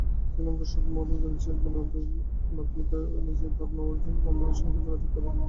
শ্রীলঙ্কার সংবাদমাধ্যম জানিয়েছে, গুনাতিলকা নিজেই তাঁর নরওয়েজিয়ান বান্ধবীর সঙ্গে যোগাযোগ করেন।